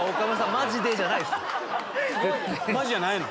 マジじゃないの？